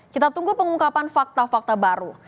kita tunggu pengungkapan fakta fakta baru